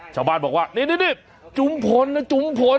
ชาวบ้านบอกว่านี่จุมพลนะจุมพล